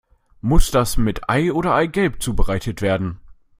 Muss das mit Ei oder Eigelb zubereitet werden?